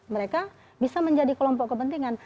mereka bisa menjadi kelompok kepentingan